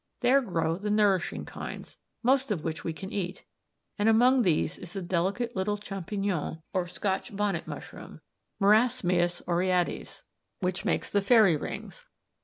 There grow the nourishing kinds, most of which we can eat, and among these is the delicate little champignon or 'Scotch bonnet' mushroom, Marasmius Oreades, which makes the fairy rings.